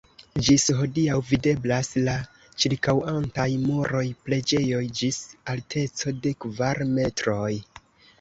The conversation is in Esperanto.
Ĝis hodiaŭ videblas la ĉirkaŭantaj muroj preĝejoj (ĝis alteco de kvar metroj).